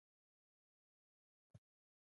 پلیټلیټونه څه ګټه لري؟